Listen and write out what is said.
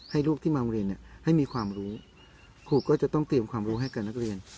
ให้ลูกที่มาโรงเรียนเนี่ยให้มีความรู้ครูก็จะต้องเตรียมความรู้ให้กับนักเรียน